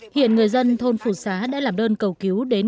hiện người dân thôn phù xá đã làm đơn cầu cứu đến